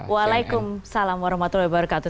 waalaikumsalam warahmatullahi wabarakatuh